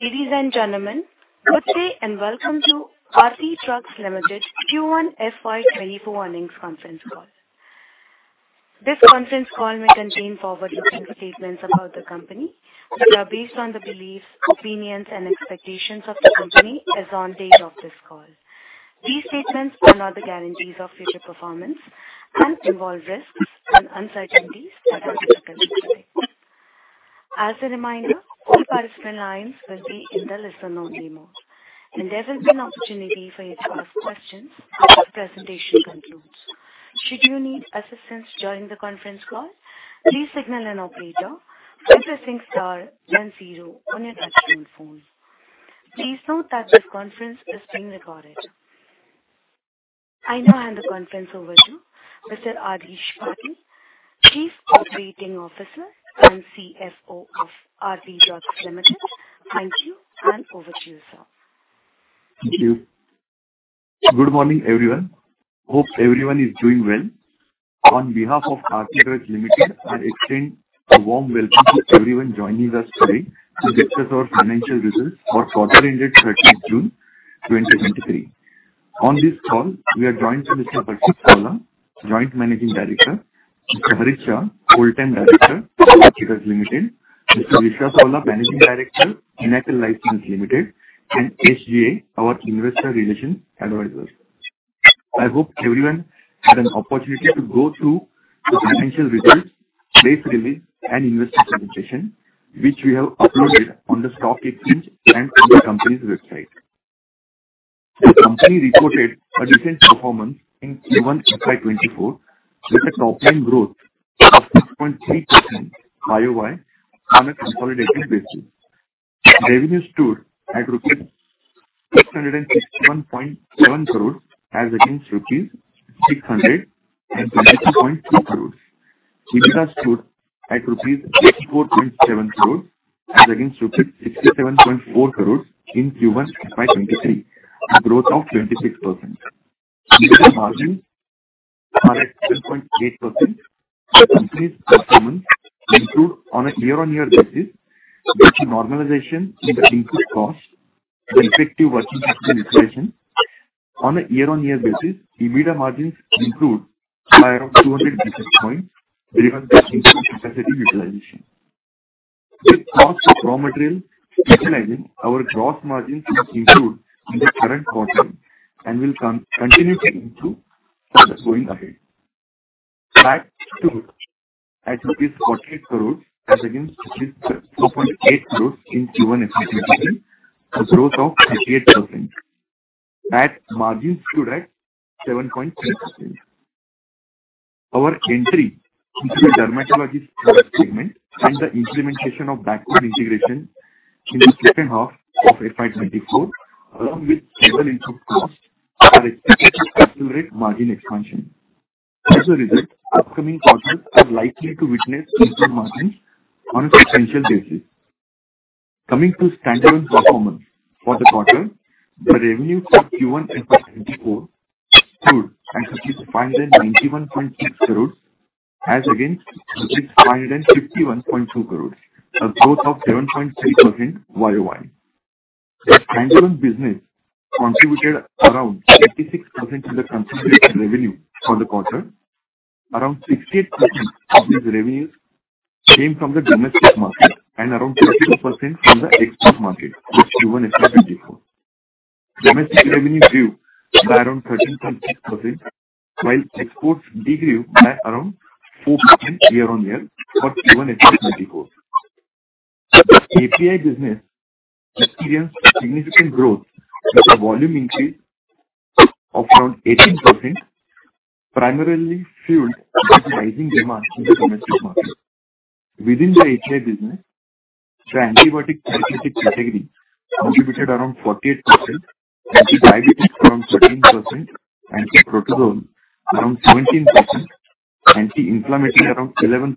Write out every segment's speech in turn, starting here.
Ladies and gentlemen, good day, welcome to Aarti Drugs Limited Q1 FY 2024 earnings conference call. This conference call may contain forward-looking statements about the company that are based on the beliefs, opinions and expectations of the company as on date of this call. These statements are not the guarantees of future performance and involve risks and uncertainties that are difficult to predict. As a reminder, all participant lines will be in the listen-only mode, there will be an opportunity for you to ask questions after the presentation concludes. Should you need assistance during the conference call, please signal an operator by pressing star then 0 on your touchtone phone. Please note that this conference is being recorded. I now hand the conference over to Mr. Adhish Patil, Chief Operating Officer and CFO of Aarti Drugs Limited. Thank you, over to you, sir. Thank you. Good morning, everyone. Hope everyone is doing well. On behalf of Aarti Drugs Limited, I extend a warm welcome to everyone joining us today to discuss our financial results for quarter ended 13th June, 2023. On this call, we are joined by Mr. Harshit Savla, Joint Managing Director, Mr. Harit Shah, Whole-Time Director of Aarti Drugs Limited, Mr. Vishwa Savla, Managing Director, Pinnacle Life Science Private Limited, and SGA, our Investor Relations Advisors. I hope everyone had an opportunity to go through the financial results, press release and investor presentation, which we have uploaded on the stock exchange and on the company's website. The company reported a decent performance in Q1 FY24, with a top-line growth of 6.3% YOY on a consolidated basis. Revenue stood at INR 661.7 crores, as against INR 632.3 crores. EBITDA stood at INR 84.7 crores, as against INR 67.4 crores in Q1 FY23, a growth of 26%. EBITDA margins are at 10.8%. The company's performance improved on a year-on-year basis due to normalization in the input costs, the effective working capital utilization. On a year-on-year basis, EBITDA margins improved by around 200 basis points driven by increased capacity utilization. With cost of raw material stabilizing, our gross margins has improved in the current quarter and will continue to improve further going ahead. PAT stood at 48 crores as against 12.8 crores in Q1 FY23, a growth of 58%. PAT margins stood at 7.3%. Our entry into the dermatology segment and the implementation of backward integration in the second half of FY 2024, along with stable input costs, are expected to accelerate margin expansion. Upcoming quarters are likely to witness EBITDA margins on a potential basis. Coming to standalone performance for the quarter, the revenue for Q1 FY 2024 stood at rupees 591.6 crores as against rupees 551.2 crores, a growth of 7.3% YOY. The standalone business contributed around 36% to the consolidated revenue for the quarter. Around 60% of this revenues came from the domestic market and around 32% from the export market for Q1 FY 2024. Domestic revenue grew by around 13.6%, while exports degrew by around 4% year-on-year for Q1 FY 2024. The API business experienced significant growth with a volume increase of around 18%, primarily fueled by the rising demand in the domestic market. Within the API business, the antibiotic therapeutic category contributed around 48%, anti-diabetes around 13%, anti-protozoal around 17%, anti-inflammatory around 11%,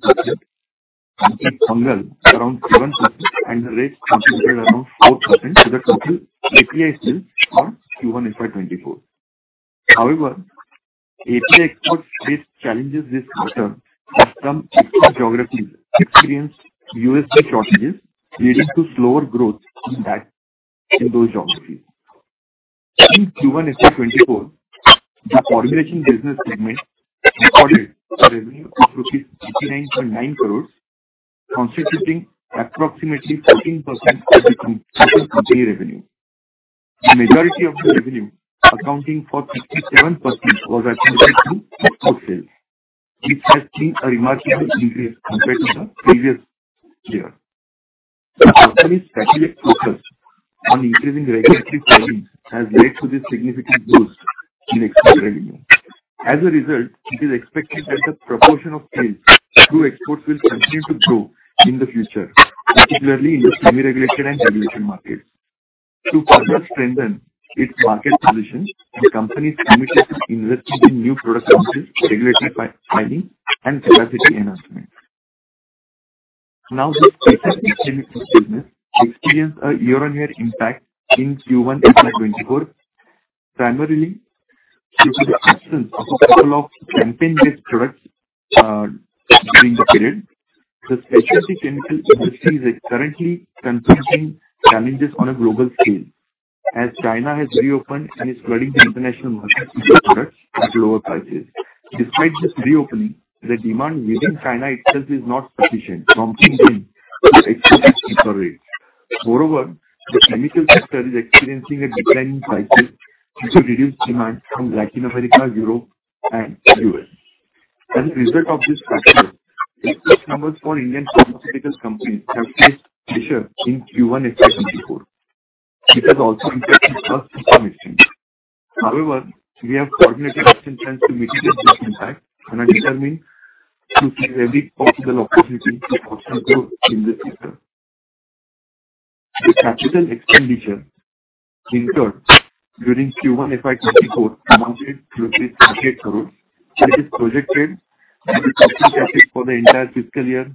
anti-fungal around 7%, and the rest contributed around 4% to the total API sales for Q1 FY 2024. API export faced challenges this quarter as some export geographies experienced USA shortages, leading to slower growth in those geographies. In Q1 FY 2024, the formulation business segment recorded a revenue of 89.9 crores, constituting approximately 14% of the total company revenue. The majority of the revenue, accounting for 57%, was attributed to export sales, which has seen a remarkable increase compared to the previous year. The company's dedicated focus on increasing regulatory filings has led to this significant boost in export revenue. As a result, it is expected that the proportion of sales through exports will continue to grow in the future, particularly in the semi-regulation and regulation markets. To further strengthen its market position, the company is committed to investing in new product launches, regulatory filing, and capacity enhancement. The specialty chemicals business experienced a year-on-year impact in Q1 FY24. Primarily, due to the absence of a couple of campaign-based products during the period, the specialty chemical industry is currently confronting challenges on a global scale, as China has reopened and is flooding the international markets with their products at lower prices. Despite this reopening, the demand within China itself is not sufficient, prompting them to export at cheaper rates. The chemical sector is experiencing a decline in prices due to reduced demand from Latin America, Europe, and U.S. As a result of this pressure, export numbers for Indian pharmaceutical companies have faced pressure in Q1 FY24. It has also impacted us to some extent. We have coordinated action plans to mitigate this impact and are determined to seize every possible opportunity for potential growth in this sector. The capital expenditure incurred during Q1 FY24 amounted to INR 38 crores, and it is projected that the capital CapEx for the entire fiscal year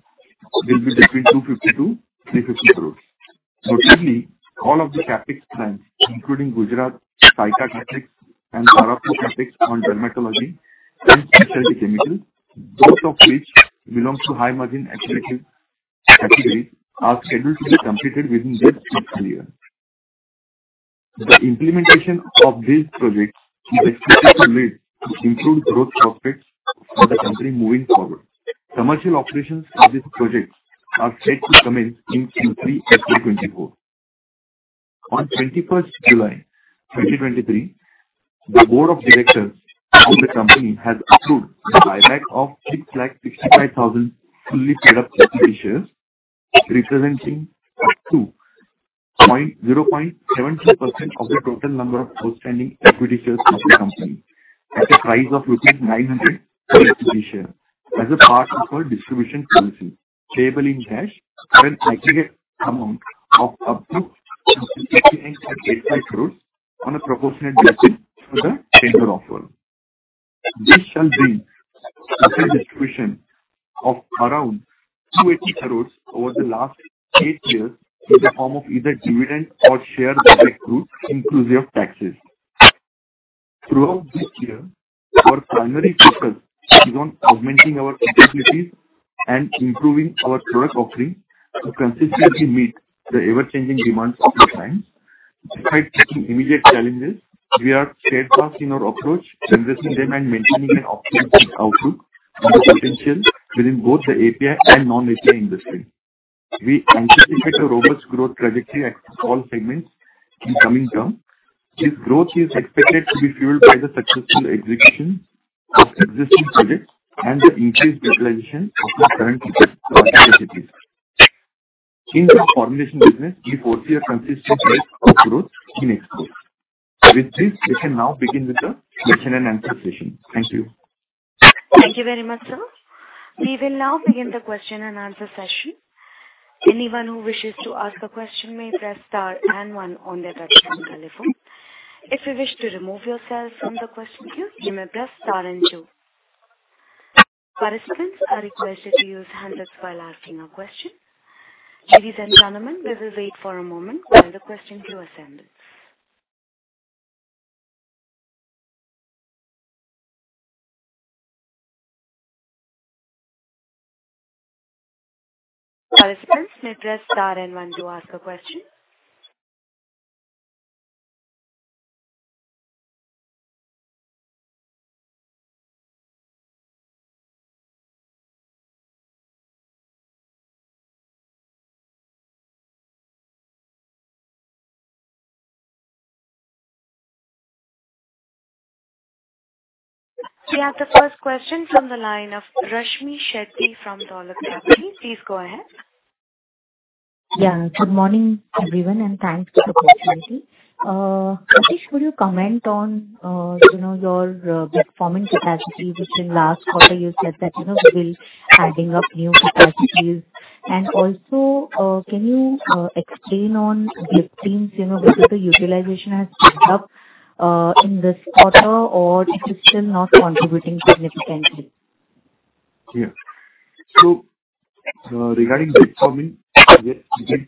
will be between 250-350 crores. Notably, all of the CapEx plans, including Gujarat, Sayakha CapEx, and Tarapur CapEx on dermatology and specialty chemicals, both of which belong to high-margin activity category, are scheduled to be completed within this fiscal year. The implementation of these projects is expected to lead to improved growth prospects for the company moving forward. Commercial operations for these projects are set to commence in Q3 FY24. On 21st July, 2023, the board of directors of the company has approved the buyback of 665,000 fully paid-up equity shares, representing 0.73% of the total number of outstanding equity shares of the company, at a price of INR 900 per equity share, as a part of our distribution policy, payable in cash at an aggregate amount of up to INR 68 crores on a proportionate basis for the tender offer. This shall bring the total distribution of around 280 crores over the last eight years, in the form of either dividend or share buyback route, inclusive taxes. Throughout this year, our primary focus is on augmenting our capabilities and improving our product offering to consistently meet the ever-changing demands of the clients. Despite facing immediate challenges, we are steadfast in our approach, addressing them, and maintaining an optimal outlook and potential within both the API and non-API industry. We anticipate a robust growth trajectory across all segments in coming term. This growth is expected to be fueled by the successful execution of existing projects and the increased utilization of our current capacities. In the formulation business, we foresee a consistent rate of growth in next quarter. With this, we can now begin with the question and answer session. Thank you. Thank you very much, sir. We will now begin the question and answer session. Anyone who wishes to ask a question may press star and one on their telephone. If you wish to remove yourself from the question queue, you may press star and two. Participants are requested to use handouts while asking a question. Ladies and gentlemen, we will wait for a moment for the question to assemble. Participants, may press star and one to ask a question. We have the first question from the line of Rashmi Shetty from Dolat Capital. Please go ahead. Yeah, good morning, everyone, and thanks for the opportunity. Could you comment on, you know, your, performing capacity, which in last quarter you said that, you know, we will be adding up new capacities? Also, can you explain on the teams, you know, whether the utilization has picked up, in this quarter or it is still not contributing significantly? Regarding the performing, we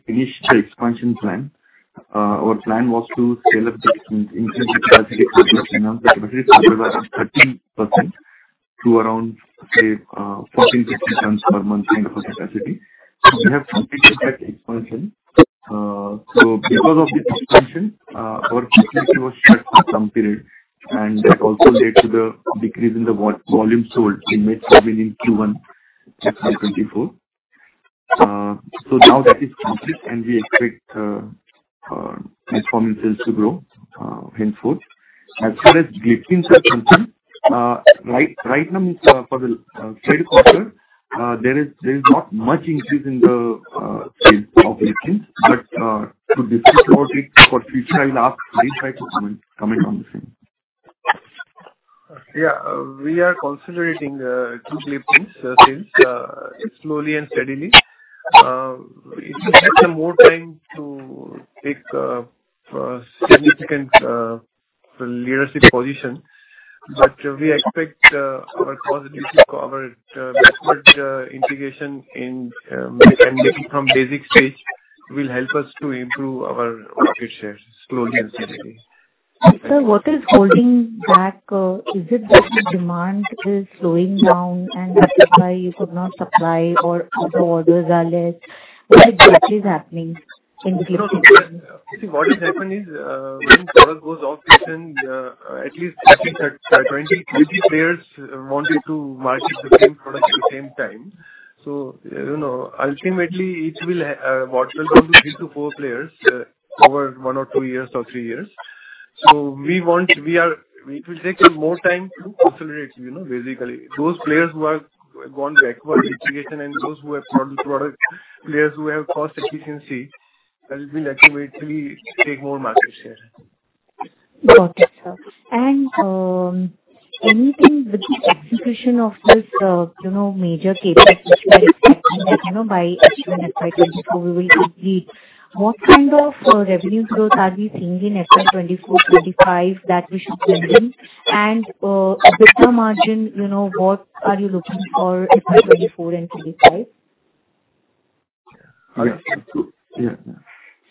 finished the expansion plan. Our plan was to scale up the increase in capacity by 13% to around 14, 15 tons per month in capacity. We have completed that expansion. Because of the expansion, our capacity was flat for some period, and that also led to the decrease in the volume sold in mid-seven in Q1 FY24. Now that is complete, and we expect performance sales to grow henceforth. As far as the teams are concerned, right now, for the third quarter, there is not much increase in the sales of the teams, but to discuss about it for future, I will ask Bhavesh to comment on this one. Yeah, we are considering 2 clippings, things, slowly and steadily. If we had some more time to take significant leadership position- ... we expect our cost due to our backward integration in and making from basic stage will help us to improve our market shares slowly and steadily. Sir, what is holding back? Is it that the demand is slowing down, and that is why you could not supply or the orders are less? What exactly is happening? See, what is happening is, when product goes off patent, at least 20 beauty players wanted to market the same product at the same time. You know, ultimately each will have, what will come to 3 to 4 players, over 1 or 2 years or 3 years. It will take more time to consolidate, you know, basically. Those players who have gone backward integration and those who have product players who have cost efficiency, that will ultimately take more market share. Got it, sir. Anything with the execution of this, you know, major CapEx, which we are expecting, you know, by FY 2024, we will see. What kind of revenue growth are we seeing in FY 2024, 2025, that we should build in? EBITDA margin, you know, what are you looking for in FY 2024 and 2025? Yeah.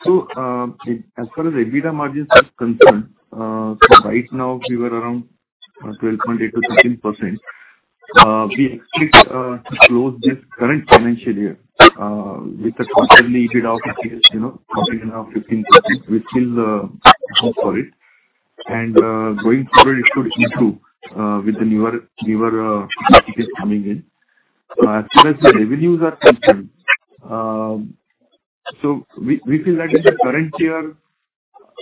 As far as EBITDA margins are concerned, right now we were around 12.8%-13%. We expect to close this current financial year with a comfortably EBITDA of, you know, 13.5%-15%. We still hope for it. Going forward, it should improve with the newer tickets coming in. As soon as the revenues are concerned, we feel that in the current year,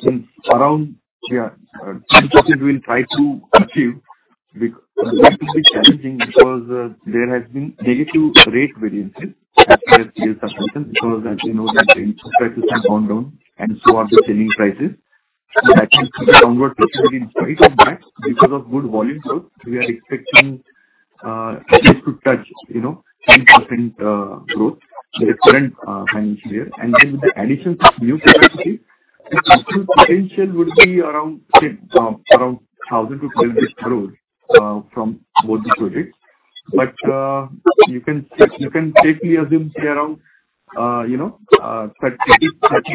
in around 10% we'll try to achieve. That will be challenging because there has been negative rate variances that we have seen so far, because as you know, that the input prices have gone down and so are the selling prices. That will keep the downward pressure. In spite of that, because of good volume growth, we are expecting, at least to touch, you know, 10% growth in the current financial year. With the addition of new capacity, the potential would be around, say, around 1,000 to 12 billion from both the projects. You can safely assume, say, around, you know, 30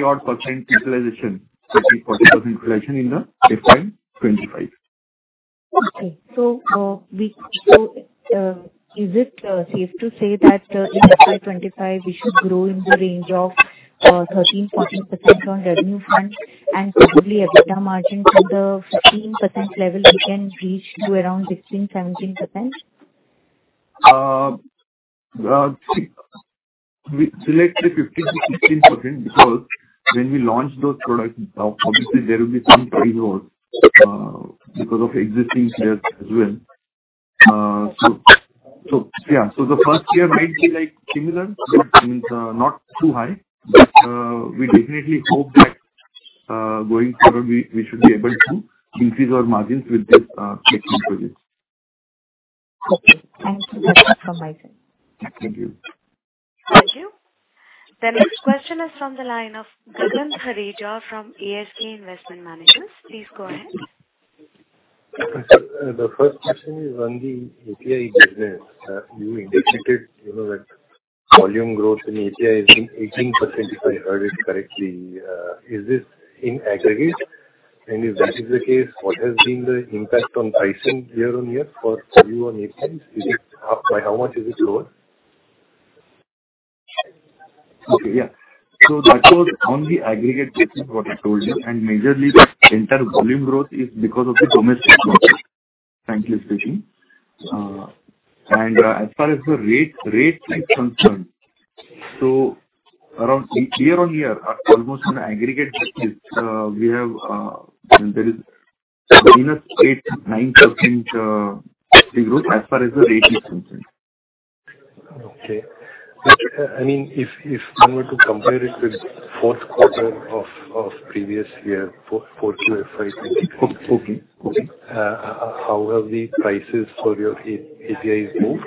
odd percent utilization, 30%-40% utilization in the FY25. Okay. Is it safe to say that in FY 2025, we should grow in the range of 13%-14% on revenue front, and probably EBITDA margin from the 15% level, we can reach to around 16%-17%? We select the 15%-16%, because when we launch those products, obviously there will be some free role, because of existing players as well. Yeah. The first year might be, like, similar, not too high, but we definitely hope that going forward, we should be able to increase our margins with this next projects. Okay. Thank you. That's all from my side. Thank you. Thank you. The next question is from the line of Gagan Thareja from ASK Investment Managers. Please go ahead. Sir, the first question is on the API business. You indicated, you know, that volume growth in API is 18%, if I heard it correctly. Is this in aggregate? If that is the case, what has been the impact on pricing year-over-year for you on API? Is it by how much is it lower? Okay, yeah. That was on the aggregate business, what I told you, and majorly the entire volume growth is because of the domestic market, frankly speaking. As far as the rate is concerned, around year-on-year, almost on aggregate basis, we have, there is minus 8%, 9% growth as far as the rate is concerned. Okay. I mean, if I were to compare it with fourth quarter of previous year, fourth quarter FY twenty- Okay. Okay. How have the prices for your APIs moved?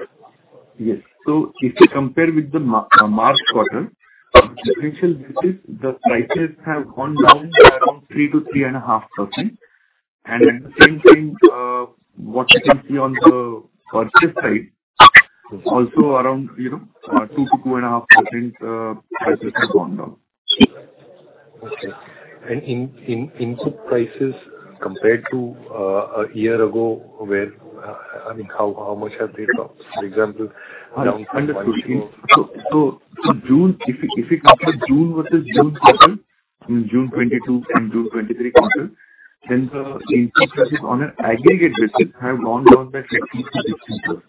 Yes. If you compare with the March quarter, the differential this is the prices have gone down by around 3% to 3.5%. The same thing, what you can see on the purchase side, also around, you know, 2% to 2.5%, prices have gone down. Okay. Input prices compared to, a year ago, where, I mean, how much have they dropped? For example, down to- Understood. so June, if you compare June versus June quarter, I mean June 2022 and June 2023 quarter, then the input prices on an aggregate basis have gone down by 15%-16%.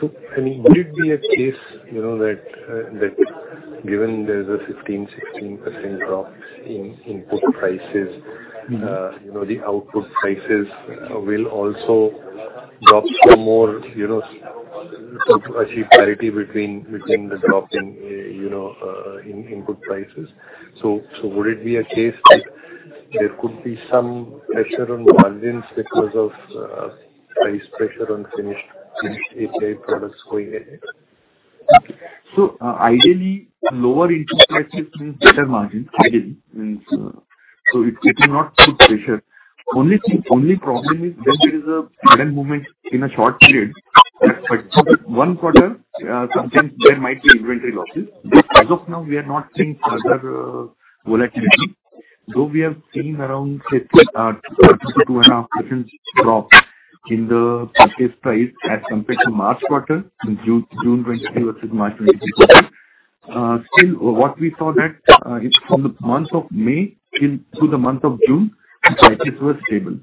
15%-16%. I mean, would it be a case, you know, that given there's a 15%, 16% drop in input prices Mm-hmm. You know, the output prices, will also drop some more, you know, to achieve parity between the drop in, you know, in input prices? Would it be a case that there could be some pressure on margins because of price pressure on finished API products going ahead? Ideally, lower interest rates means better margins, ideally. It will not put pressure. Only thing, only problem is then there is a sudden movement in a short period, that one quarter, sometimes there might be inventory losses. As of now, we are not seeing further volatility, though we have seen around 2.5% drop in the purchase price as compared to March quarter, in June 2023 versus March 2023. Still, what we saw that, from the month of May till through the month of June, prices were stable.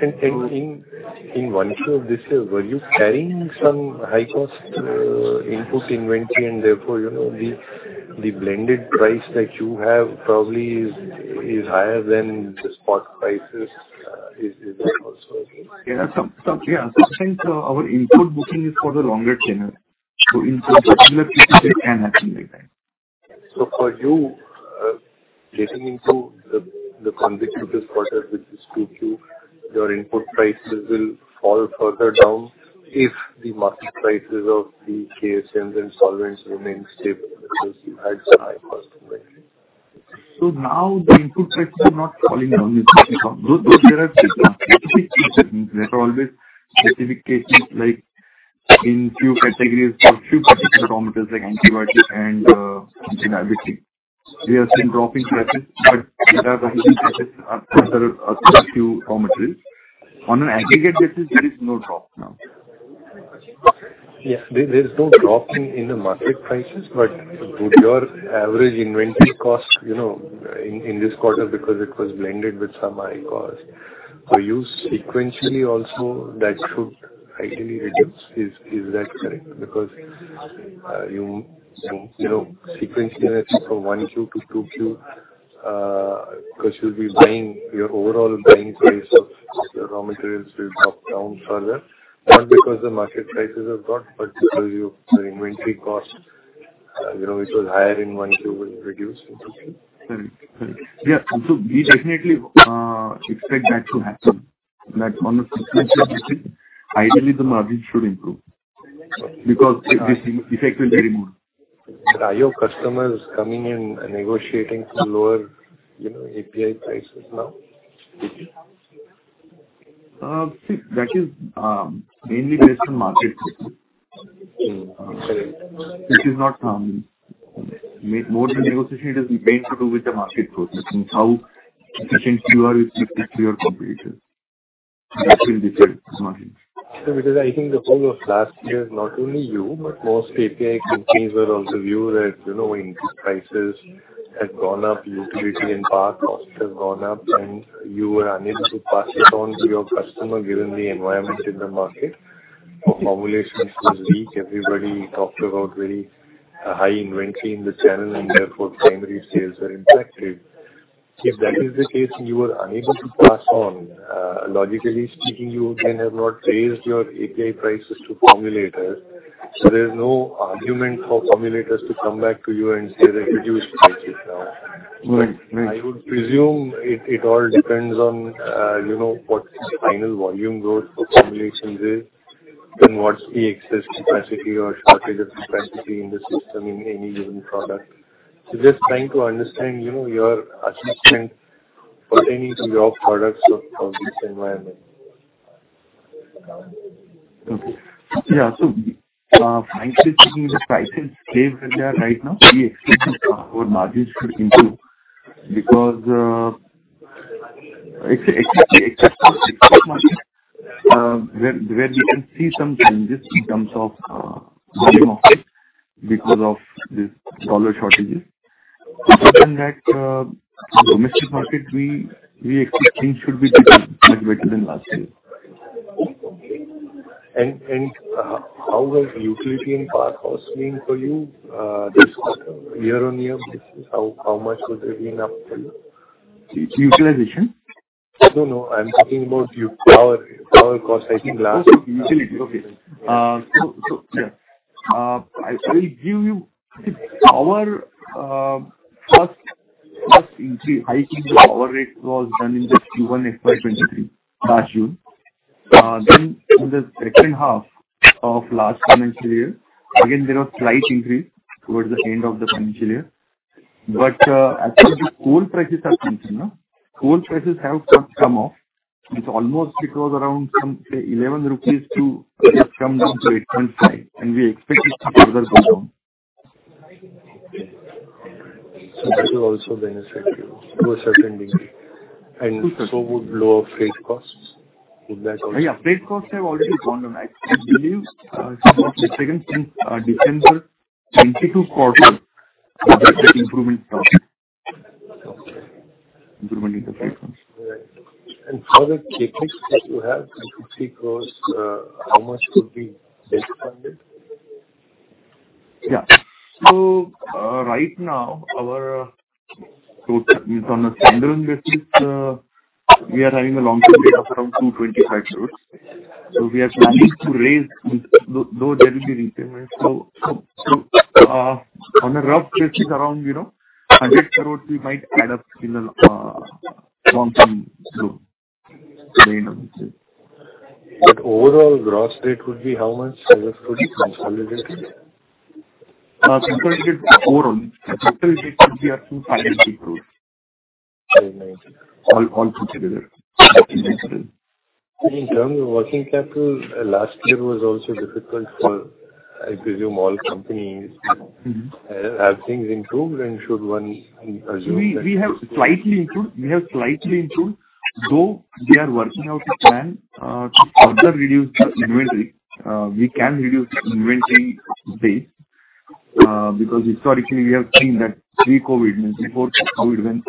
In one show this year, were you carrying some high-cost input inventory, and therefore, you know, the blended price that you have probably is higher than the spot prices. Is that also okay? Yeah, some, yeah. Sometimes, our input booking is for the longer tenure. In some particular cases, it can happen like that. For you, listening to the consecutive quarter, which is Q2, your input prices will fall further down if the market prices of the KSMs and solvents remain stable because you had some high-cost inventory. Now the input prices are not falling down. There are specific cases, there are always specific cases, like in few categories or few particular raw materials, like antibiotics and some other things. We have seen drop in prices, but we have a few prices are a few raw materials. On an aggregate basis, there is no drop now. Yeah, there is no drop in the market prices. Would your average inventory cost, you know, in this quarter, because it was blended with some high cost, for you sequentially also, that should ideally reduce? Is that correct? You know, sequentially from 1Q to 2Q, because you'll be buying your overall buying price of the raw materials will drop down further, not because the market prices have got, but because your inventory cost, you know, it was higher in 1Q will reduce. Right. Yeah, we definitely expect that to happen, that on a sequential basis, ideally, the margin should improve because this effect will be removed. Are your customers coming in and negotiating for lower, you know, API prices now? See, that is mainly based on market prices. Mm. This is not. More than negotiation, it is mainly to do with the market forces, and how efficient you are with respect to your competition. That will decide this margin. Because I think the whole of last year, not only you, but most API companies were also viewed that, you know, input prices had gone up, utility and power costs have gone up, and you were unable to pass it on to your customer, given the environment in the market. Formulations was weak. Everybody talked about very high inventory in the channel. Therefore, primary sales were impacted. If that is the case and you were unable to pass on, logically speaking, you again have not raised your API prices to formulators. There is no argument for formulators to come back to you and say, "Reduce prices now. Right. Right. I would presume it all depends on, you know, what the final volume growth of formulations is, then what's the excess capacity or shortage of capacity in the system in any given product. Just trying to understand, you know, your assessment pertaining to your products of this environment. Okay. Yeah, frankly speaking, the prices place that they are right now, we expect our margins to improve because, it's, it's, where we can see some changes in terms of, volume of it because of the dollar shortages. Other than that, the domestic market, we expect things should be better, little better than last year. Okay. How was utility and power costing for you this quarter year-over-year basis? How much would they been up to you? Utilization? No, no, I'm talking about power cost, I think... Utility. Okay. I will give you our first increase. Hiking the power rate was done in the Q1 FY23, last June. In the second half of last financial year, again, there was slight increase towards the end of the financial year. As the coal prices are concerned now, coal prices have come off. It's almost it was around some, say, 11 rupees to, it has come down to 8.5, and we expect it to further go down. This will also benefit you to a certain degree. Good. Would lower freight costs? Would that also-? Yeah, freight costs have already gone down. I believe, since December 2022 quarter, that improvement coming. Okay. Improvement in the freight costs. Right. For the CapEx that you have, I could see across, how much could be funded? Yeah. Right now, on a standalone basis, we are having a long-term debt of around 225 crores. We are planning to raise, though there will be repayments. On a rough basis, around, you know, 100 crores we might add up in a long-term loan.... Overall, gross rate would be how much? Just to consolidate. consolidated forum, the total debt would be up to INR 500 crores. INR 590. All put together. In terms of working capital, last year was also difficult for, I presume, all companies. Mm-hmm. Have things improved, and should one assume that? We have slightly improved. We have slightly improved, though they are working out a plan to further reduce the inventory. We can reduce the inventory base because historically we have seen that pre-COVID, means before COVID,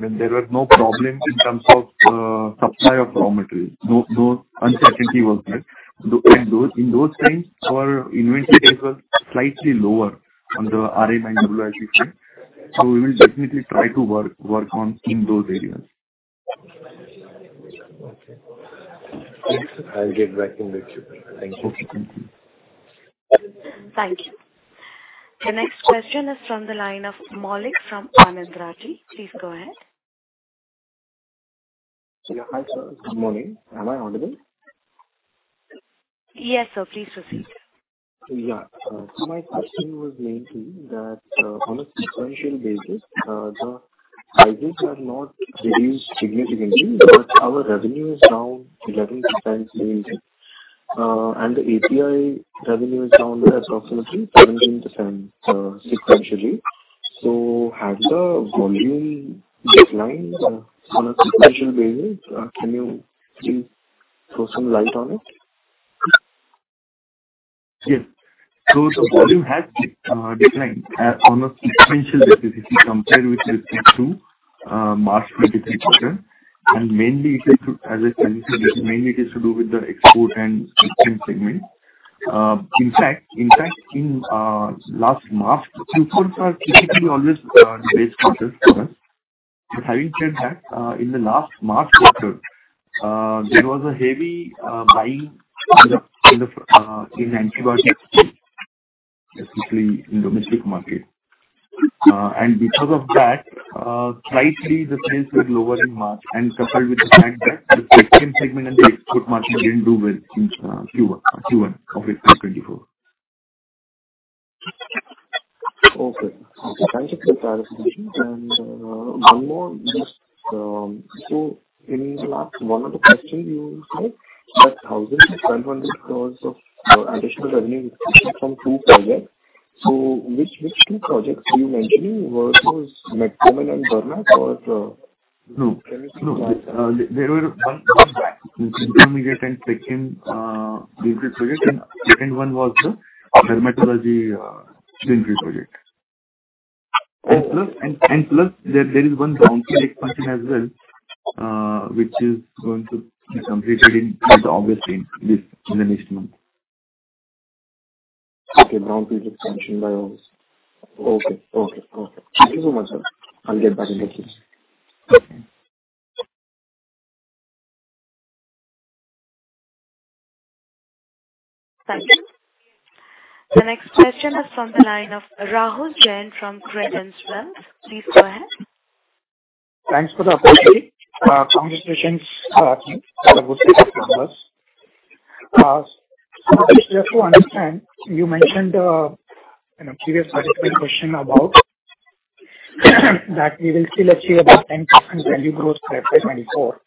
when there were no problems in terms of supply of raw materials, no uncertainty was there. In those times, our inventory days were slightly lower on the RMI and WIP, so we will definitely try to work on in those areas. Okay. Thanks. I'll get back in touch with you. Thank you. Okay, thank you. Thank you. The next question is from the line of Maulik from Anand Rathi. Please go ahead. Hi, sir. Good morning. Am I audible? Yes, sir. Please proceed. My question was mainly that on a sequential basis, the prices have not reduced significantly, but our revenue is down 11% year-on-year. The API revenue is down by approximately 17% sequentially. Has the volume declined on a sequential basis? Can you please throw some light on it? Yes. The volume has declined on a sequential basis if you compare with respect to March 2023 quarter. Mainly it is to, as I told you, mainly it is to do with the export and segment. In fact, in last March, Q4 are typically always base quarters for us. Having said that, in the last March quarter, there was a heavy buying in the in antibiotics, especially in domestic market. Because of that, slightly the sales were lower in March and coupled with the fact that the segment and the export market didn't do well in Q1 of April 2024. Okay. Thank you for the clarification. One more, just... In the last one of the question you said that 1,000 crores-1,000 crores of additional revenue from two projects. Which two projects were you mentioning? Was it Macmillan and Bernard or- No, no. There were one intermediate and second project, and second one was the dermatology clinical project. Plus, there is one brownfield expansion as well, which is going to be completed in August, in the next month. Okay. Brownfield expansion by August. Okay. Okay, okay. Thank you so much, sir. I'll get back in touch. Okay. Thank you. The next question is from the line of Rahul Jain from Credit Suisse. Please go ahead. Thanks for the opportunity. Congratulations, team, on a good set of numbers. Just to understand, you mentioned in a previous question about that we will still achieve about 10% value growth for April 2024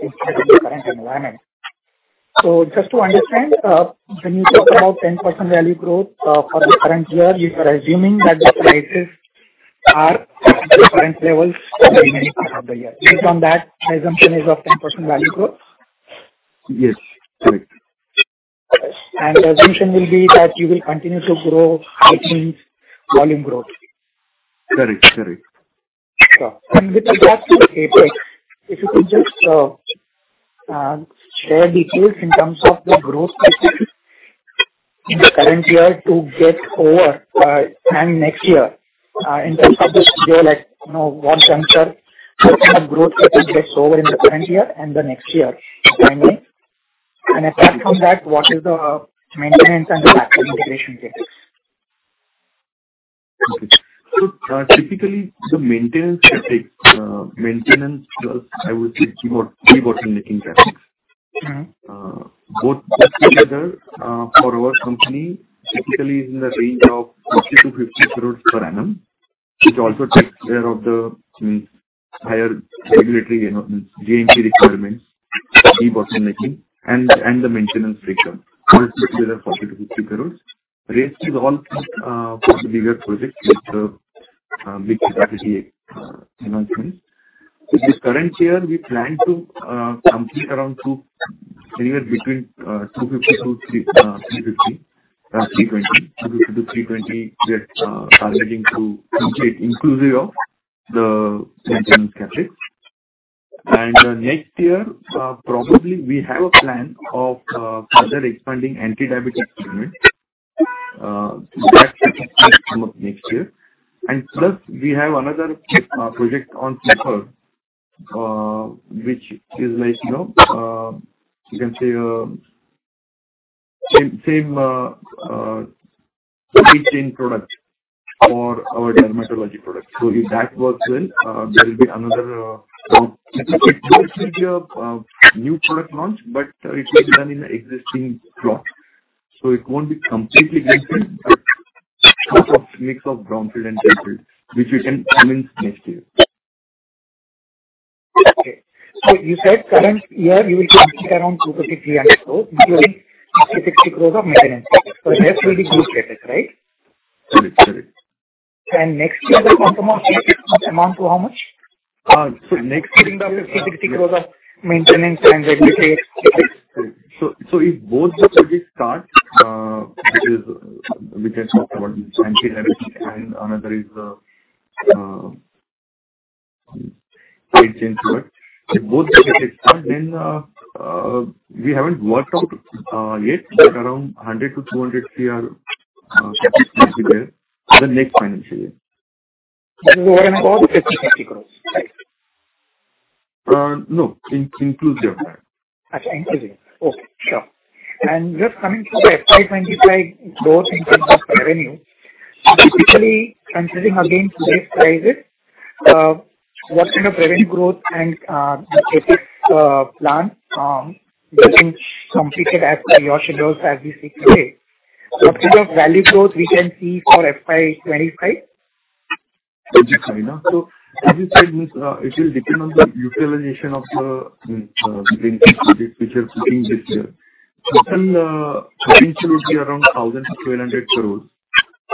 in the current environment. Just to understand, when you talk about 10% value growth for the current year, you are assuming that the prices are at the current levels remaining for the year. Based on that, the assumption is of 10% value growth? Yes, correct. The assumption will be that you will continue to grow, it means volume growth. Correct, correct. Sure. With regard to the CapEx, if you could just share details in terms of the growth in the current year to get over, and next year, in terms of the year, like, you know, what juncture the kind of growth that is based over in the current year and the next year, if I may? Apart from that, what is the maintenance and the capital allocation CapEx? Okay. typically the maintenance CapEx, maintenance, I would say, key bottom-making CapEx. Mm-hmm. Both, both together, for our company, typically is in the range of 50-50 crores per annum, which also takes care of the higher regulatory, you know, GMP requirements, key bottom-making, and the maintenance pressure. All together, INR 40-50 crores. Rest is all for the bigger projects, which is actually, announcement. This current year, we plan to complete anywhere between 250-320, we are targeting to complete, inclusive of the maintenance CapEx. Next year, probably we have a plan of further expanding anti-diabetes segment. That will come up next year. Plus, we have another project on paper, which is like, you know. Same chain product for our dermatology product. If that works well, there will be another, it will be a, new product launch, but it will be done in an existing plot. It won't be completely different, but mix of brownfield and greenfield, which we can commence next year. Okay. You said current year, you will be around 200-300 crores, including 66 crores of maintenance, so the rest will be good CapEx, right? Correct, correct. Next year, the CapEx amount to how much? Uh, so next year- 66 crores of maintenance and regulatory. So, so if both the projects start, uh, which is, which I talked about, anti-rabies, and another is, uh, uh, chain product. If both the projects start, then, uh, uh, we haven't worked out, uh, yet, but around hundred to two hundred cr, uh, will be there for the next financial year. This is over and above the INR 66 crores, right? No, inclusive. Acha, inclusive. Okay, sure. Just coming to the FY 25 growth in terms of revenue, typically considering again today's prices, what kind of revenue growth and CapEx plan getting completed as per your schedules as we speak today? What kind of value growth we can see for FY 25? As you said, it will depend on the utilization of the greenfield projects which are putting this year. Total potential would be around 1,000-1,200 crores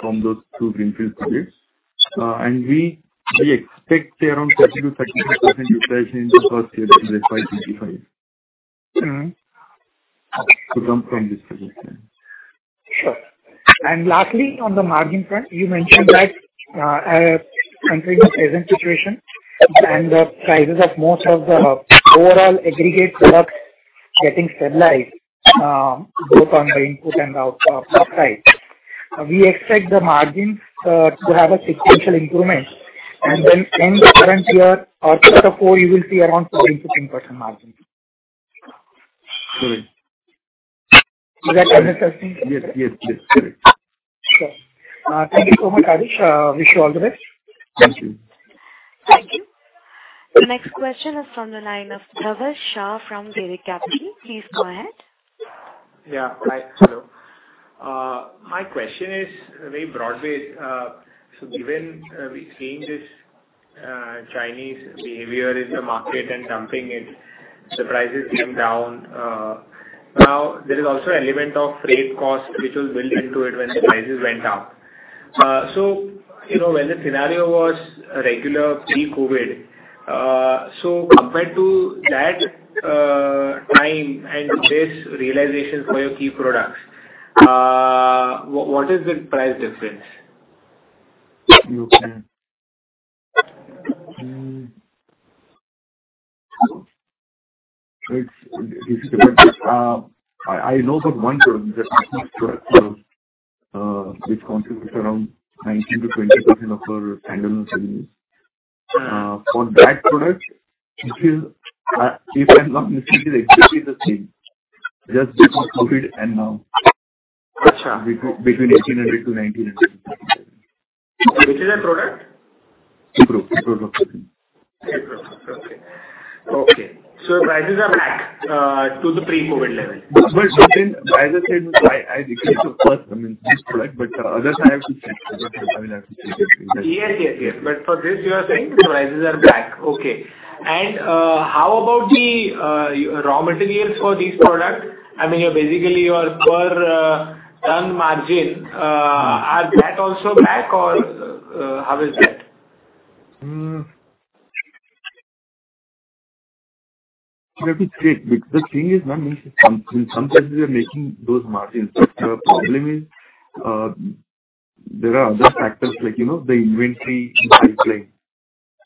from those two greenfield projects. We expect around 30%-35% utilization in the first year of FY25. Mm-hmm. To come from this position. Sure. Lastly, on the margin front, you mentioned that, considering the present situation and the prices of most of the overall aggregate products getting stabilized, both on the input and output side. We expect the margins to have a sequential improvement, and then in the current year or quarter four, you will see around 30-15% margin. Correct. Is that understanding? Yes, yes. Correct. Sure. Thank you so much, Harit. Wish you all the best. Thank you. Thank you. Next question is from the line of Dhaval Shah from Bamboo Capital. Please go ahead. Yeah, hi. Hello. My question is very broadly, given, we've seen this Chinese behavior in the market and dumping it, the prices came down. There is also an element of freight cost which was built into it when the prices went down. You know, when the scenario was regular, pre-COVID, compared to that, time and this realization for your key products, what is the price difference? It's, I know that one product, the product which contributes around 19% to 20% of our annual sales. Mm. For that product, if you, if I'm not mistaken, it's exactly the same. Just before COVID and now. Got you. Between 1,800 to 1,900. Which is the product? ibuprofen, improve product. ibuprofen product. Okay. Prices are back to the pre-COVID level. As I said, I declared the first, I mean, this product, but others I have to check. I mean, I have to check. Yes, yes. For this, you are saying the prices are back. Okay. How about the raw materials for this product? I mean, basically, your per ton margin, are that also back or how is that? Let me check. The thing is, ma'am, in some cases, we are making those margins. The problem is, there are other factors like, you know, the inventory in play.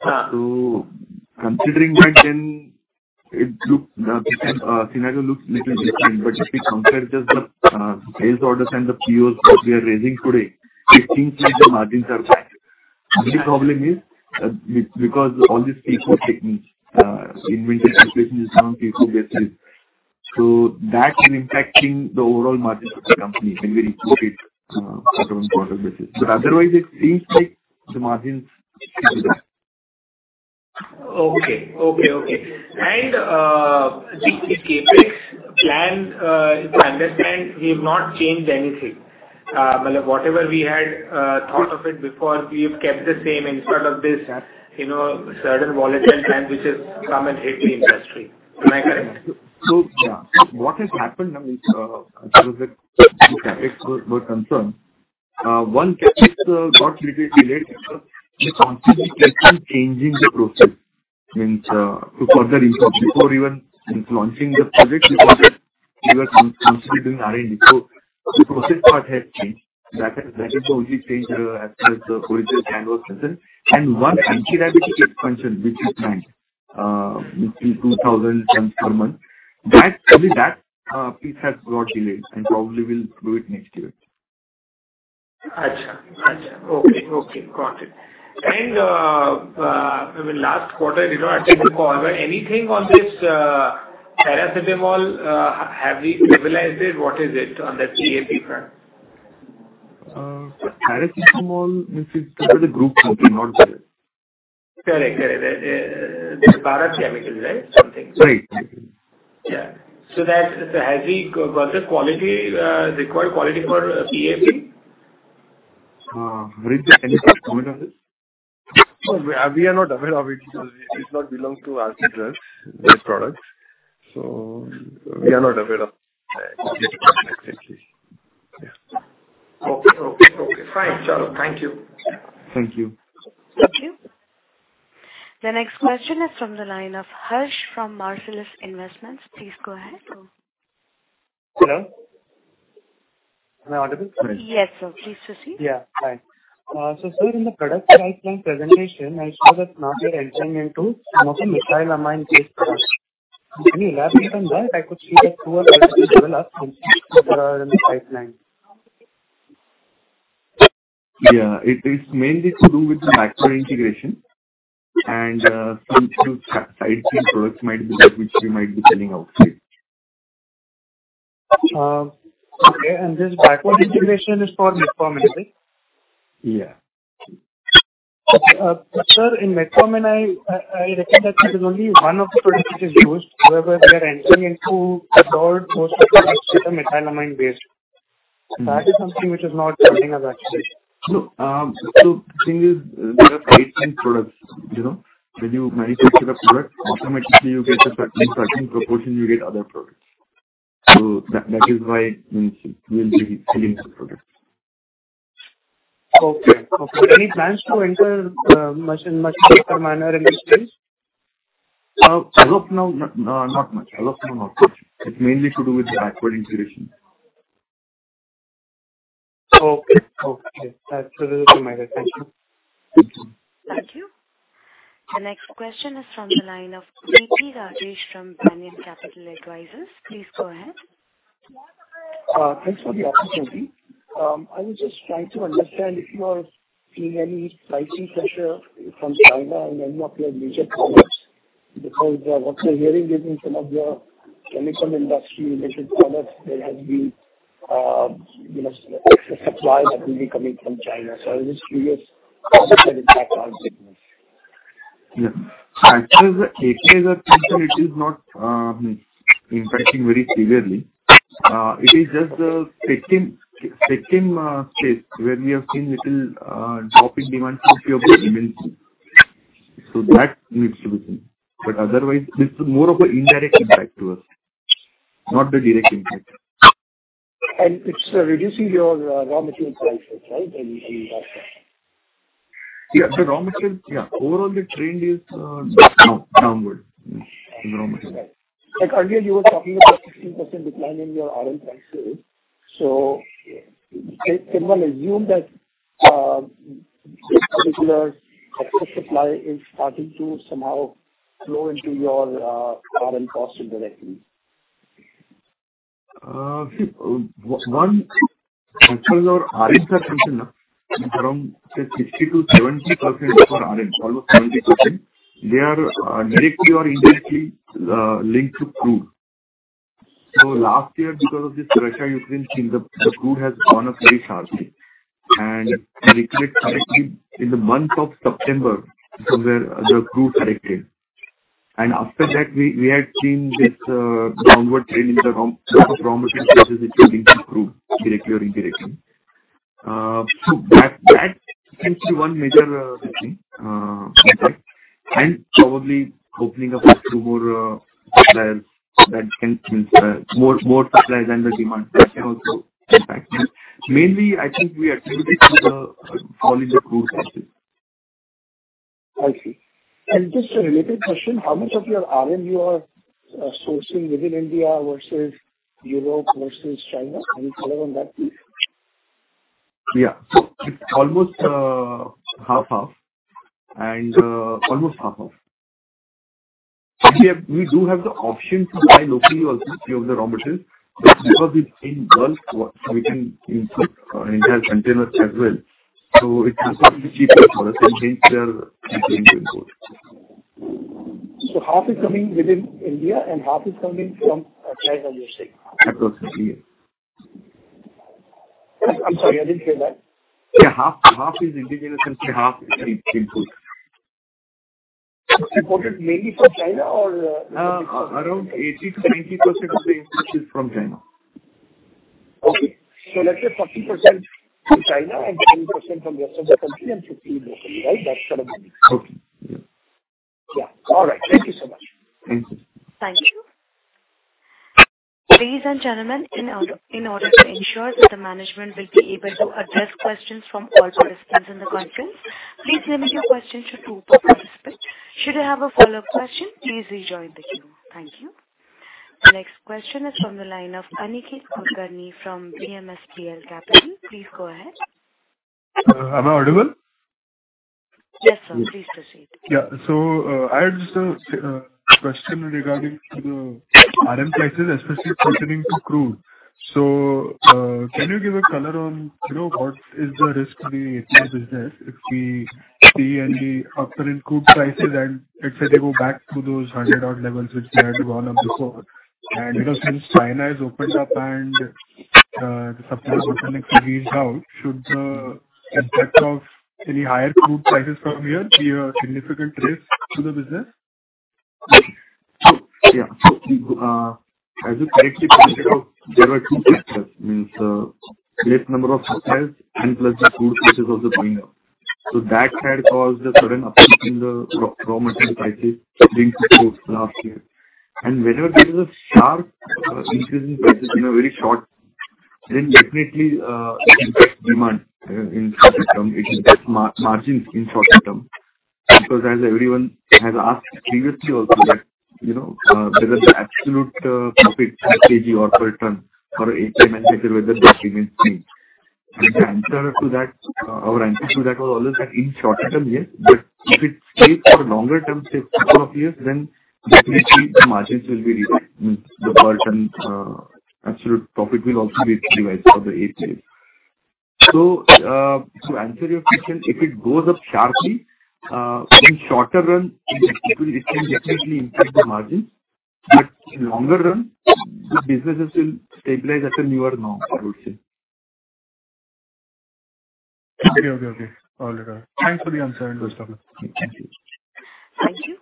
Ah. Considering that, then it looks, the scenario looks little different. If we compare just the sales orders and the POs that we are raising today, it seems like the margins are back. The only problem is, because all these people taking, inventory situation is coming into this. That is impacting the overall margins of the company when we report it, on a quarter basis. Otherwise, it seems like the margins are good. Okay. Okay, okay. The CapEx plan, I understand we've not changed anything. Whatever we had thought of it before, we have kept the same in spite of this, you know, certain volatile trend which has come and hit the industry. Am I correct? Yeah. What has happened, ma'am, as far as the CapEx were concerned, one CapEx got little bit delayed because we're constantly changing the process. Means, to further improve. Before even launching the project, we were constantly doing R&D. The process part has changed. That is the only change as far as the original plan was concerned. One anti-rabies which is concerned, which is planned in 2,000 tons per month, only that piece has got delayed, and probably we'll do it next year. अच्छा, अच्छा. Okay, okay, got it. In the last quarter, you know, I checked the call. Anything on this paracetamol, have we stabilized it? What is it on the CAP front? Paracetamol, this is the group company, not good. Correct, correct. This is Bharat Chemicals, right? Something. Right. Yeah. That, so have we got the required quality for CAP? Maureen, can you comment on this? No, we are not aware of it. It does not belong to Aarti Drugs, this product, so we are not aware of that exactly. Yeah. Okay, okay, fine. Chalo. Thank you. Thank you. Thank you. The next question is from the line of Harsh from Marcellus Investments. Please go ahead. Hello, am I audible? Yes, sir. Please proceed. Yeah, fine. Sir, in the product pipeline presentation, I saw that now you're entering into some of the methylamine-based products. Can you elaborate on that? I could see the two or three products which are in the pipeline. Yeah, it is mainly to do with the backward integration and, some two to three products might be that which we might be selling outside. Okay, this backward integration is for metformin, is it? Yeah. sir, in metformin, I reckon that it is only one of the products which is used, wherever they are entering into about most of the methylamine base. That is something which is not telling us actually. The thing is, there are certain products, you know, when you manufacture the product, automatically you get a certain proportion, you get other products. That, that is why, means, we'll be selling the product. Okay. Okay. Any plans to enter, much deeper minor industries? As of now, no, not much. As of now, not much. It's mainly to do with the backward integration. Okay, okay. That's clear to my head. Thank you. Thank you. Thank you. The next question is from the line of V.P. Rajesh from Banyan Capital Advisors. Please go ahead. Thanks for the opportunity. I was just trying to understand if you are seeing any pricing pressure from China and any of your major products. What we're hearing is, in some of your chemical industry related products, there has been, you know, excess supply that will be coming from China. I was just curious how that impacts our business. Yeah. Actually, the API, it is not impacting very severely. It is just the second stage, where we have seen little drop in demand for few of the ingredients. That needs to be seen. Otherwise, this is more of an indirect impact to us, not the direct impact. It's reducing your, raw material prices, right? In, in that sense. Yeah, the raw materials, yeah. Overall, the trend is down, downward, the raw materials. Like earlier, you were talking about 16% decline in your RM prices. Can one assume that this particular excess supply is starting to somehow flow into your RM costs indirectly? Actually our RMs are something around, say, 60% to 70% of our RM, almost 70%, they are directly or indirectly linked to crude. Last year, because of this Russia-Ukraine thing, the crude has gone up very sharply. I recollect correctly, in the month of September, is where the crude corrected. After that, we had seen this downward trend in the raw material prices, which were linked to crude, directly or indirectly. That seems to be one major thing, impact, and probably opening up to more suppliers that can, means, more suppliers than the demand. That can also impact them. Mainly, I think we are committed to the falling of crude prices. I see. Just a related question, how much of your RM you are sourcing within India versus Europe versus China? Any color on that, please? Yeah. It's almost half, and almost half. We do have the option to buy locally also, few of the raw materials, but because it's in bulk, we can import entire containers as well. It's definitely cheaper for us and hence, we are importing. Half is coming within India and half is coming from outside India? Approximately, yeah. I'm sorry, I didn't hear that. Yeah, half is indigenous and half is imported. Imported mainly from China or...? Around 80%-90% of the import is from China. Okay. let's say 40% from China and 10% from rest of the country and 50 locally, right? That's what I mean. Okay. Yeah. Yeah. All right. Thank you so much. Thank you. Thank you. Ladies and gentlemen, in order to ensure that the management will be able to address questions from all participants in the conference, please limit your questions to two per participant. Should you have a follow-up question, please rejoin the queue. Thank you. The next question is from the line of Aniket Gargani from PMSPL Capital. Please go ahead. Am I audible?... Yes, sir, please proceed. Yeah. I had just a question regarding to the RM prices, especially pertaining to crude. Can you give a color on, you know, what is the risk to the HCl business if we see any upward in crude prices, and let's say they go back to those 100 odd levels, which they had gone up before? You know, since China has opened up and the supply is also next to be out, should the effect of any higher crude prices from here be a significant risk to the business? As you correctly pointed out, there were two factors, means, great number of factors and plus the crude prices also going up. That had caused a sudden uptick in the raw material prices during last year. Whenever there is a sharp increase in prices in a very short, then definitely, it impacts demand in short term, it impacts margins in short term. Because as everyone has asked previously also that, you know, whether the absolute profit per kg or per ton for MMA, whether that remains same. The answer to that, our answer to that was always that in short term, yes, but if it stays for a longer term, say, couple of years, then definitely the margins will be revised. Means the per ton absolute profit will also be revised for the HMAs. To answer your question, if it goes up sharply, in shorter run, it can definitely increase the margins, but in longer run, the businesses will stabilize at a newer norm, I would say. Okay, okay. All right. Thanks for the answer and those comments. Thank you. Thank you.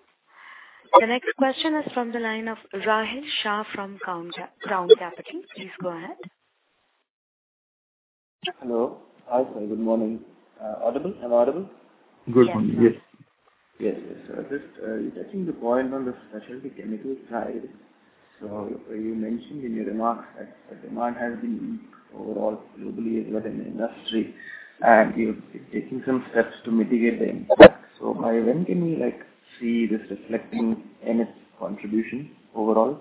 The next question is from the line of Rahil Shah from Crown Capital. Please go ahead. Hello. Hi, sir. Good morning. Audible? Am I audible? Good morning, yes. Yes. Yes, yes. Just touching the point on the specialty chemical side. You mentioned in your remarks that the demand has been weak overall, globally, within the industry, and you're taking some steps to mitigate the impact. By when can we, like, see this reflecting in its contribution overall?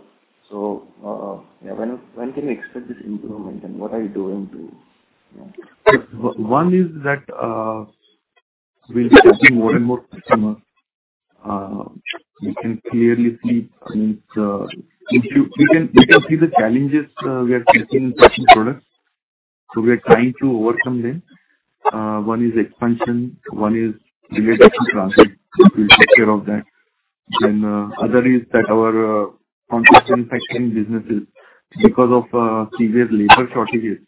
Yeah, when can we expect this improvement, and what are you doing to, you know? One is that we'll be seeing more and more customers. We can clearly see, means, we can see the challenges we are facing in certain products, so we are trying to overcome them. One is expansion, one is direct transit. We'll take care of that. Other is that our contract manufacturing businesses, because of previous labor shortages,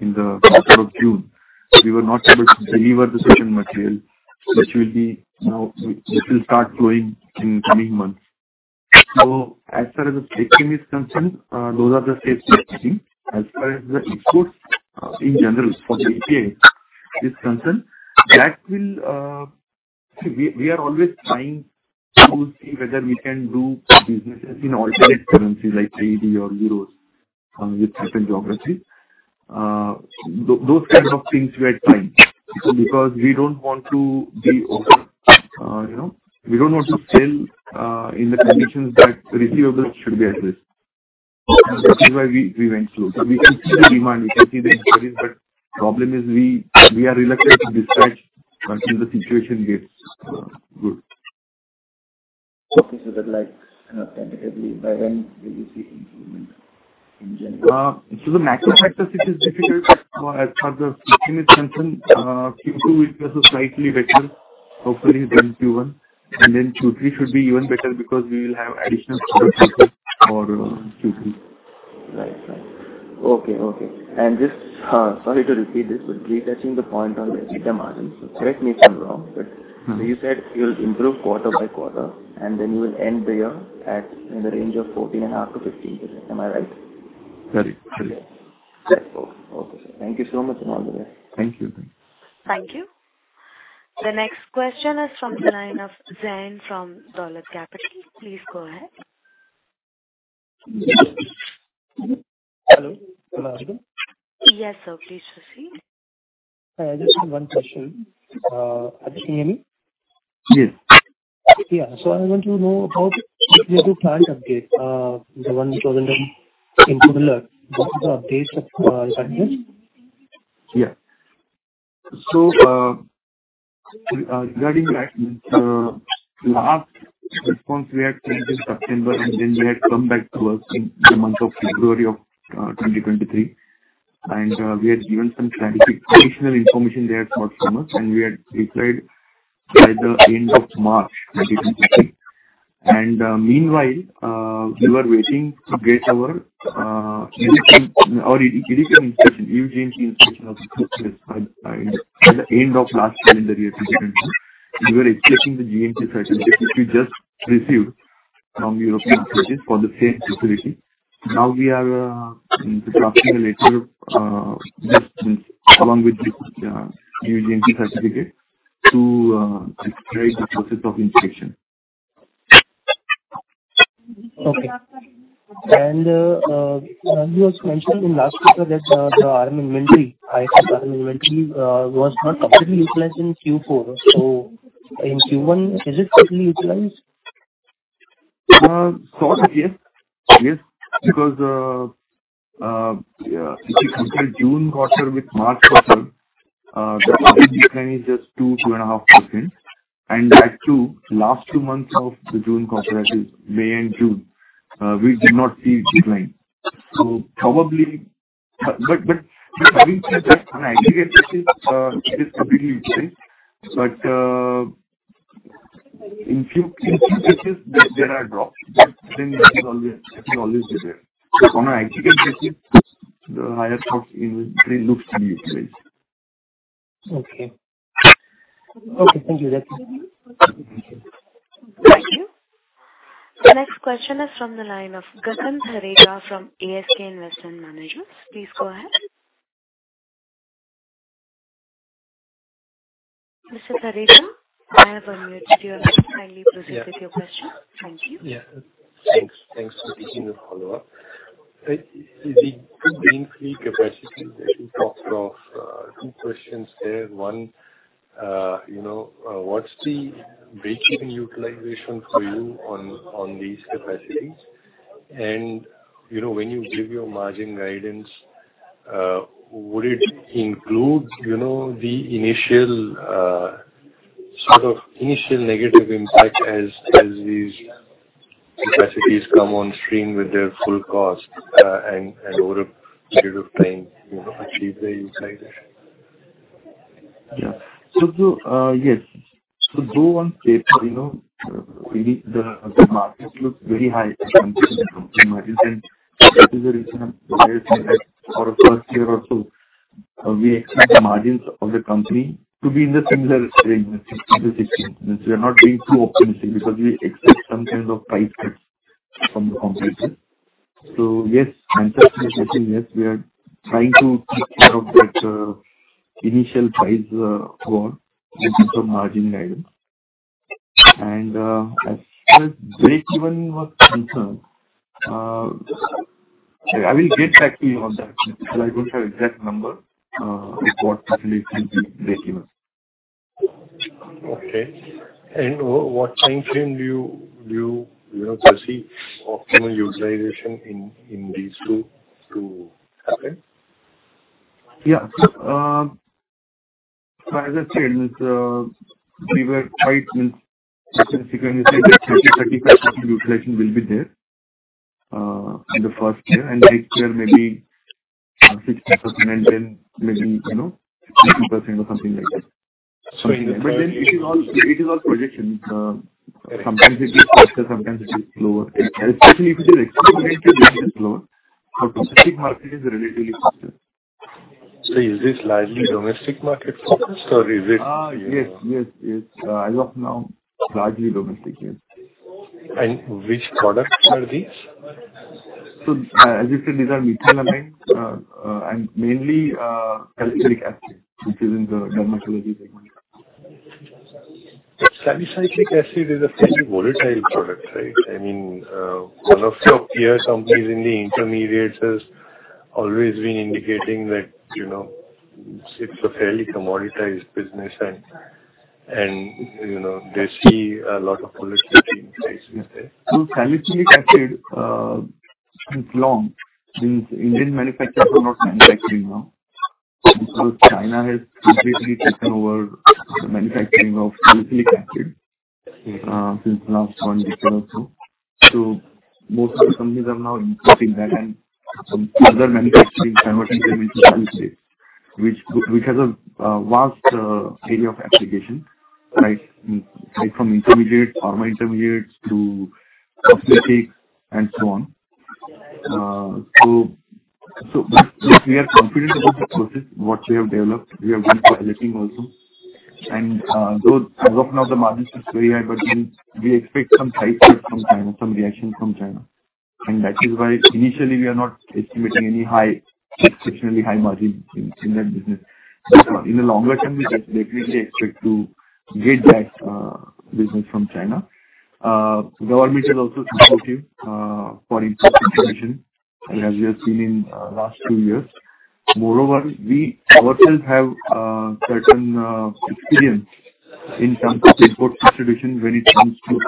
in the month of June, we were not able to deliver the certain material, which will be now, which will start flowing in coming months. As far as the MMA is concerned, those are the steps we are taking. As far as the exports, in general, for the MMA is concerned, that will... We are always trying to see whether we can do businesses in alternate currencies like AED or euros with certain geography. Those kinds of things we are trying, because we don't want to be over, you know, we don't want to sell in the conditions that receivables should be at risk. That is why we went through. We can see the demand, we can see the inquiries, but problem is we are reluctant to dispatch until the situation gets good. Okay, that, like, by when will you see improvement in general? The macro factors, it is difficult. For as far as the MMA is concerned, Q2 will be a slightly better, hopefully better than Q1. Q3 should be even better because we will have additional product for, Q3. Right. Right. Okay, okay. Just, sorry to repeat this, but retouching the point on the EBITDA margins. Correct me if I'm wrong. Mm-hmm. You said you'll improve quarter by quarter, and then you will end the year at in the range of 14.5%-15%. Am I right? Correct. Correct. Okay. Okay, sir. Thank you so much for all the way. Thank you. Thank you. The next question is from the line of Zain from Dolat Capital. Please go ahead. Hello. Hello, audible? Yes, sir. Please proceed. I just have 1 question at the AM? Yes. Yeah. I want to know about the other plant update, the one in September. What is the update of that plant? Regarding that last response we had sent in September, then we had come back to us in the month of February of 2023. We had given some clarity, additional information there for customers, and we had replied by the end of March 2023. Meanwhile, we were waiting to get our European or European inspection, EU GMP inspection of the scriptures by the end of last calendar year, 2022. We were expecting the GMP certificate, which we just received from European authorities for the same facility. Now we are drafting a letter just along with the new GMP certificate to accelerate the process of inspection. Okay. You also mentioned in last quarter that the RM inventory, high RM inventory, was not completely utilized in Q4. In Q1, is it completely utilized? ...Sort of, yes. Yes. Because if you compare June quarter with March quarter, the average decline is just 2.5%. That too, last 2 months of the June quarter, that is May and June, we did not see decline. Having said that, on aggregate basis, it is completely useless. In few cases, there are drops, but it will always be there. On an aggregate basis, the higher stock inventory looks to be useless. Okay. Okay, thank you. That's it. Thank you. The next question is from the line of Gagan Thareja from ASK Investment Managers. Please go ahead. Mr. Thareja, I have unmuted your line. Kindly proceed with your question. Thank you. Yeah. Thanks, thanks for taking the follow-up. The two greenfield capacities that you talked of, two questions there. One, you know, what's the breakeven utilization for you on these capacities? You know, when you give your margin guidance, would it include, you know, the initial, sort of initial negative impact as these capacities come on stream with their full cost, and over a period of time, you know, achieve the utilization? Yeah. Yes. Though on paper, you know, we, the margins look very high for a first year or 2, we expect the margins of the company to be in the similar range, 60%-60%. We are not being too optimistic because we expect some kind of price cut from the competition. Yes, the answer is yes, we are trying to take care of that initial price war in terms of margin item. As far as breakeven was concerned, I will get back to you on that because I don't have exact number what actually can be breakeven. Okay. What timeframe do you know, foresee optimal utilization in these two to happen? Yeah. As I said, we were quite optimistic and we said that 30-35% utilization will be there, in the first year, and next year maybe 60%, and then maybe, you know, 62% or something like that. It is all, it is all projections. Sometimes it is faster, sometimes it is slower. Especially if it is exported, it is slower. For specific market, it is relatively faster. Is this largely domestic market focus or is it- Yes, yes. As of now, largely domestic, yes. Which products are these? As you said, these are methylamine and mainly salicylic acid, which is in the dermatology segment. Salicylic Acid is a fairly volatile product, right? I mean, one of your peer companies in the intermediates has always been indicating that, you know, it's a fairly commoditized business and, you know, they see a lot of volatility in prices there. Salicylic Acid, is long. Since Indian manufacturers are not manufacturing now, because China has completely taken over the manufacturing of Salicylic Acid. Okay since last one year or so. Most of the companies are now importing that and some other manufacturing conversion into salicylic, which has a vast area of application, right? Right from intermediates, pharma intermediates to cosmetics and so on. Yes, we are confident about the process, what we have developed. We have been piloting also. Though as of now, the margins is very high, we expect some price cut from China, some reaction from China. That is why initially we are not estimating any high, exceptionally high margin in that business. In the longer term, we definitely expect to get that business from China. Government is also supportive for import substitution, as you have seen in last two years. Moreover, we ourselves have certain experience in terms of import substitution when it comes to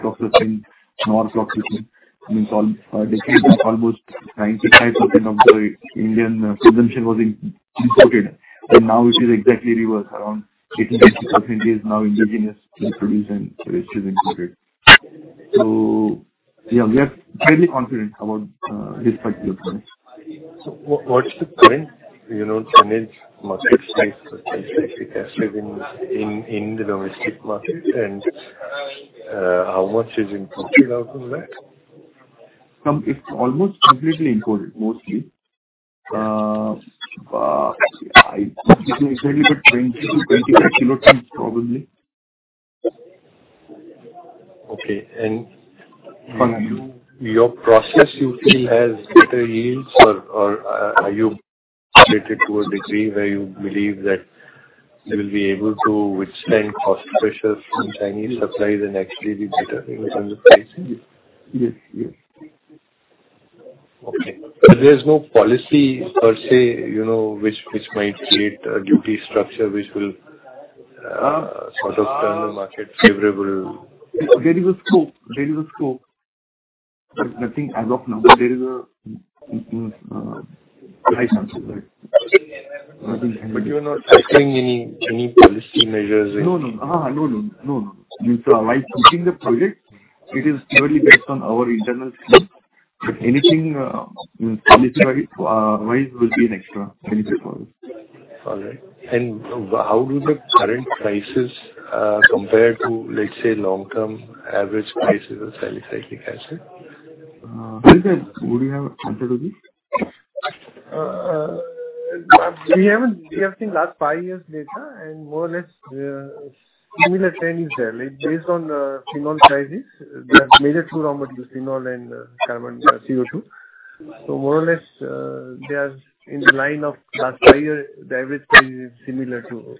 propoxyphene and norpropoxyphene. I mean, almost 95% of the Indian production was imported, but now it is exactly reverse. Around 80%-85% is now indigenous to produce and which is imported. Yeah, we are fairly confident about this particular point. What, what's the current, you know, annual market size for Salicylic Acid in the domestic market, and how much is imported out of that? It's almost completely imported, mostly. I think it's maybe about 20-25 kilos probably. Okay. From you, your process, you feel has better yields, or are you related to a degree where you believe that you will be able to withstand cost pressures from Chinese suppliers and actually be better in terms of pricing? Yes. Yes. Okay, there's no policy per se, you know, which might create a duty structure which will sort of turn the market favorable? There is a scope. There is a scope. Nothing as of now. There is a high chance of that. You are not expecting any policy measures? No, no. While pushing the project, it is purely based on our internal scope, but anything, policy-wise will be an extra benefit for us. All right. How do the current prices compare to, let's say, long-term average prices of Salicylic Acid? Would you have answer to this? We have seen last five years' data. More or less, similar trends there. Like, based on phenol prices, they are measured through raw material, phenol and carbon, CO2. More or less, they are in the line of last five years, the average price is similar to.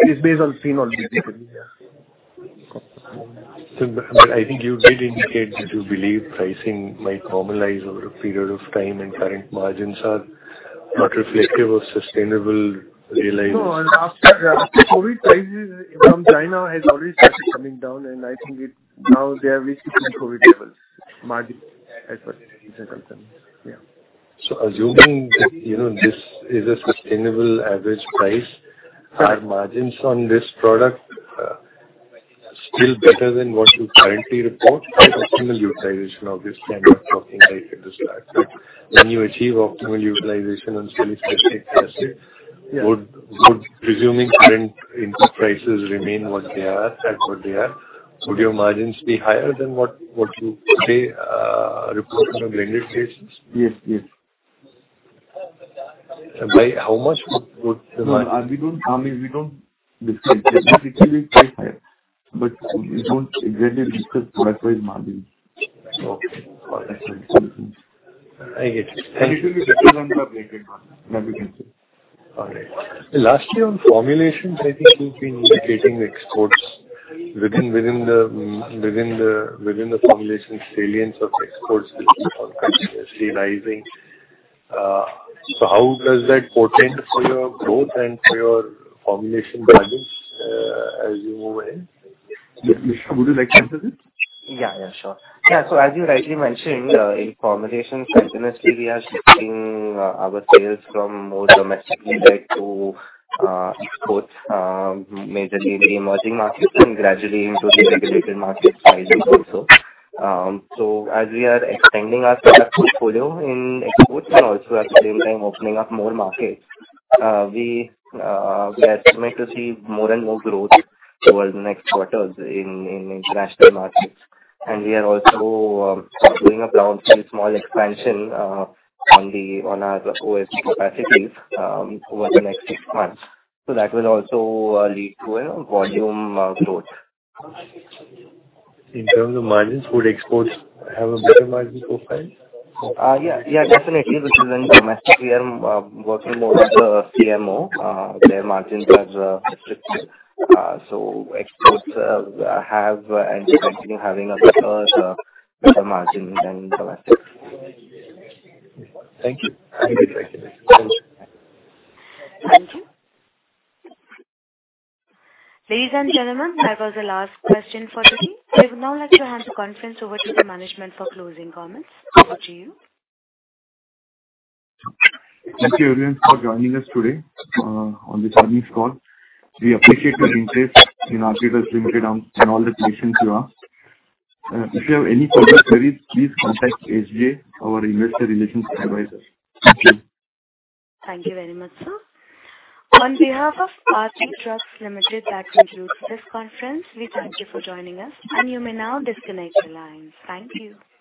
It's based on phenol, basically. Yeah. I think you did indicate that you believe pricing might normalize over a period of time, and current margins are not reflective of sustainable realities. No, after COVID, prices from China has already started coming down, and I think it now they are reaching pre-COVID levels, margin as far as it is concerned. Yeah. Assuming that, you know, this is a sustainable average price, are margins on this product still better than what you currently report? Optimal utilization of this kind of talking, I understand. When you achieve optimal utilization on Salicylic Acid, would resuming current input prices remain what they are, at what they are? Would your margins be higher than what you today report on a blended basis? Yes. By how much would? No, I mean, we don't discuss. It's actually quite high, but we don't exactly discuss product-wise margins. Okay. All right. I get it. It will be better than the blended one, that we can say. All right. Lastly, on formulations, I think you've been indicating exports within the formulation salience of exports is continuously rising. How does that portend for your growth and for your formulation margins as you move in? Would you like to answer this? Yeah, yeah, sure. As you rightly mentioned, in formulations, continuously we are shifting our sales from more domestically, right, to exports, majorly in the emerging markets and gradually into the regulated markets also. As we are expanding our product portfolio in exports and also at the same time opening up more markets, we are estimated to see more and more growth towards the next quarters in international markets. We are also factoring a small expansion on our OS capacities over the next six months. That will also lead to a volume growth. In terms of margins, would exports have a better margin profile? Yeah, definitely. In domestic, we are working more with the CMO. Their margins are strict. Exports have and continue having a better margin than domestic. Thank you. I appreciate it. Thank you. Ladies and gentlemen, that was the last question for the team. We would now like to hand the conference over to the management for closing comments. Over to you. Thank you, everyone, for joining us today, on this earnings call. We appreciate your interest in Aarti Drugs Limited and all the questions you asked. If you have any further queries, please contact SGA, our investor relations advisor. Thank you. Thank you very much, sir. On behalf of Aarti Drugs Limited, that concludes this conference. We thank you for joining us, and you may now disconnect your lines. Thank you.